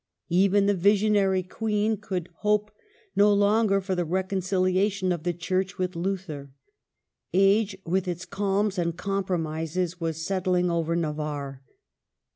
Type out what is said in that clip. Even the visionary Queen could hope no longer for the reconciliation of the Church with Luther. Age, with its calms and compromises, was settling over Navarre.